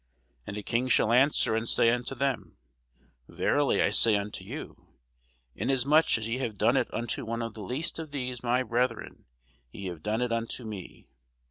And the King shall answer and say unto them, Verily I say unto you, Inasmuch as ye have done it unto one of the least of these my brethren, ye have done it unto me.